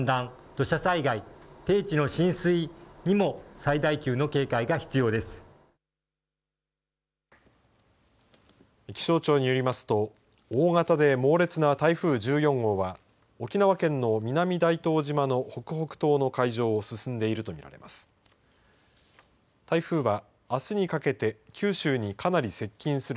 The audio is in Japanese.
土砂災害、低地の浸水にも気象庁によりますと大型で猛烈な台風１４号は沖縄県の南大東島の北北東の海上を進んでいると見られます。